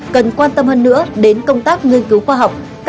cần quan tâm hơn nữa đến công tác nghiên cứu khoa học